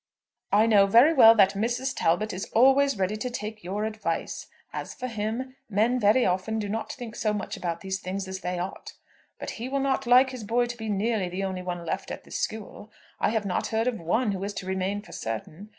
"I know very well that Mrs. Talbot is always ready to take your advice. As for him, men very often do not think so much about these things as they ought. But he will not like his boy to be nearly the only one left at the school. I have not heard of one who is to remain for certain.